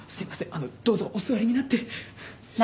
あのどうぞお座りになって。